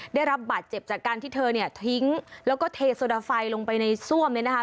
ได้รับบาดเจ็บจากการที่เธอเนี่ยทิ้งแล้วก็เทโซดาไฟลงไปในซ่วมเนี่ยนะคะ